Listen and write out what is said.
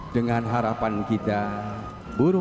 datang dekaret melatih perlu